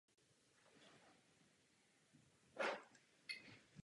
Zemřel svobodný a byl pohřben v nově vybudované knížecí hrobce v Olešnici.